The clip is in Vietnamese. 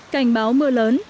cảnh báo mưa lớn